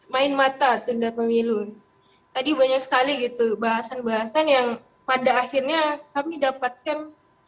main mata tunda pemilu tadi banyak sekali gitu bahasan bahasan yang pada akhirnya kami dapatkan